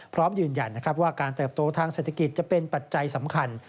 พร้อมยืนยันว่าการเติบโตทางเศรษฐกิจจะเป็นปัจจัยสำคัญ